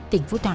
tỉnh phú thọ